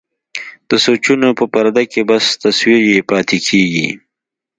د سوچونو په پرده کې بس تصوير يې پاتې کيږي.